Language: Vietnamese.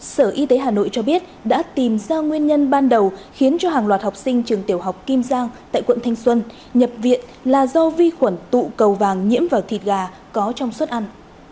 sở y tế hà nội cho biết đã tìm ra nguyên nhân ban đầu khiến cho hàng loạt học sinh trường tiểu học kim giang tại quận thanh xuân nhập viện là do vi khuẩn tụ cầu vàng nhiễm vào thịt gà có trong suất ăn